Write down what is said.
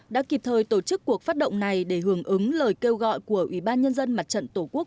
đã kịp thời tổ chức cuộc phát động này để hưởng ứng lời kêu gọi của ủy ban nhân dân mặt trận tổ quốc